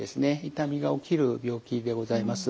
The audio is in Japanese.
痛みが起きる病気でございます。